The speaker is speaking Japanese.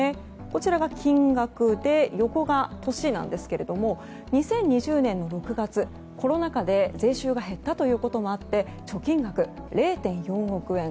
縦が金額で横が年なんですけれども２０２０年６月、コロナ禍で税収が減ったということもあって貯金額が０．４億円。